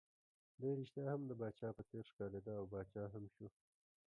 دی ريښتیا هم د پاچا په څېر ښکارېد، او پاچا هم شو.